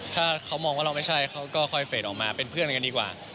ถ้าเขามองว่าเราไม่ใช่เขาก็คอยเฟสออกมาเป็นเพื่อนกันดีกว่า